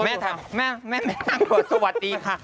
แม่น่ากลัวสวัสดีค่ะ